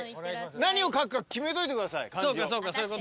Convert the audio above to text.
何を書くか決めといてください漢字を。